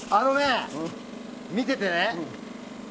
見ててね。